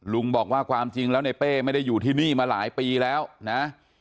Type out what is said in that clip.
ลุงบอกว่าความจริงแล้วในเป้ไม่ได้อยู่ที่นี่มาหลายปีแล้วนะ